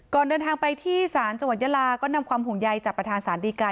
เดินทางไปที่ศาลจังหวัดยาลาก็นำความห่วงใยจากประธานศาลดีกา